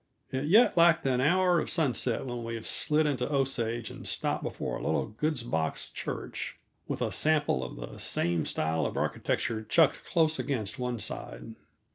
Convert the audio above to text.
It yet lacked an hour of sunset when we slid into Osage and stopped before a little goods box church, with a sample of the same style of architecture chucked close against one side.